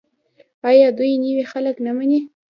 آیا دوی نوي خلک نه مني؟